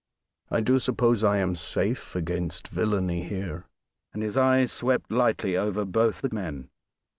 "I do suppose I am safe against villainy here." And his eye swept lightly over both the men.